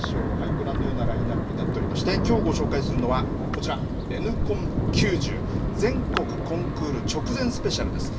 ご覧のようなラインナップになっておりまして、きょうご紹介するのは、こちら、Ｎコン９０！全国コンクール直前スペシャルです。